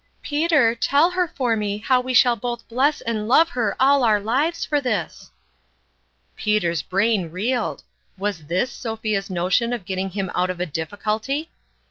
"Peter, tell her for me how we shall both bless and love her all our lives for this !" Peter's brain reeled. Was this Sophia's notion of getting him out of a difficulty